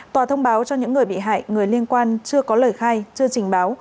tòa thông báo cho những người bị hại người liên quan chưa có lời khai chưa trình báo